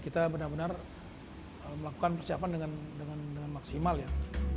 kita benar benar melakukan persiapan dengan maksimal ya